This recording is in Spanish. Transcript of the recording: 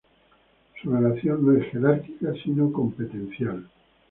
Su relación no es jerárquica sino competencial.